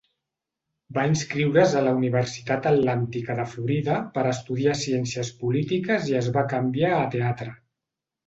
Va inscriure's a la Universitat Atlàntica de Florida per estudiar ciències polítiques i es va canviar a teatre.